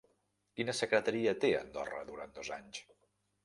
Quina secretaria té Andorra durant dos anys?